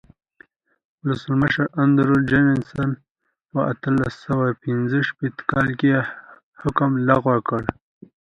ولسمشر اندرو جانسن په اتلس سوه پنځه شپېته کال کې حکم لغوه کړ.